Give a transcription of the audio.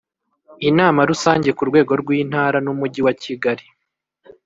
Inama Rusange ku rwego rw Intara n Umujyi wa kigali